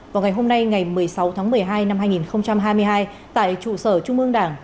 vào ngày hôm nay ngày một mươi sáu tháng một mươi hai năm hai nghìn hai mươi hai tại trụ sở trung ương đảng